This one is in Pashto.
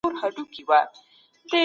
درناوی لرم